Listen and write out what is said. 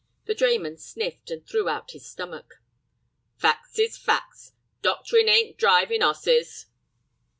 The drayman sniffed, and threw out his stomach. "Facts is facts. Doctorin' ain't drivin' 'osses."